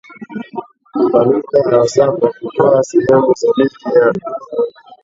kupanuka hasa kwa kutwaa sehemu za milki ya